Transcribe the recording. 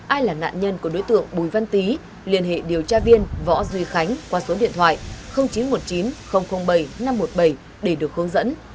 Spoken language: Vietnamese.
ai là nạn nhân của đối tượng bùi văn tý liên hệ điều tra viên võ duy khánh qua số điện thoại chín trăm một mươi chín bảy năm trăm một mươi bảy để được hướng dẫn